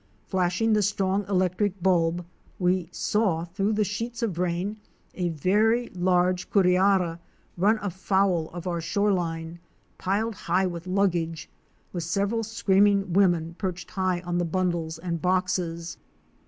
Flashing the strong electric bulb we saw through the sheets of rain a very large curiara run afoul of our shore line; piled high with luggage, with several screaming women perched high on the bundles and boxes.